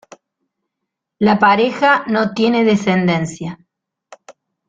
La pareja no tiene descendencia.